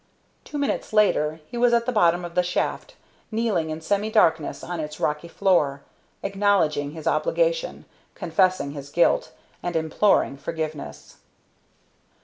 Two minutes later he was at the bottom of the shaft, kneeling in semi darkness on its rocky floor, acknowledging his obligation, confessing his guilt, and imploring forgiveness.